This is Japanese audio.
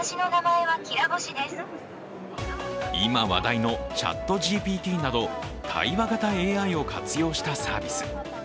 今話題のＣｈａｔＧＰＴなど対話型ＡＩを活用したサービス。